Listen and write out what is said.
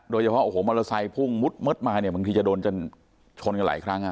โดยเฉพาะโอ้โหมอเตอร์ไซค์พุ่งมืดมาเนี่ยบางทีจะโดนจนชนกันหลายครั้ง